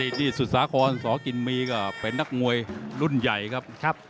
นี่สุสาครสอกินมีก็เป็นนักมวยรุ่นใหญ่ครับ